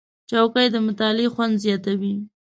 چوکۍ د مطالعې خوند زیاتوي.